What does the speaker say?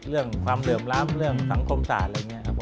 เรื่องความเหลื่อมล้ำเรื่องสังคมศาสตร์อะไรอย่างนี้ครับ